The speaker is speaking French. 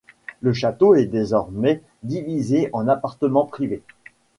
Le château est désormais divisé en appartements privés.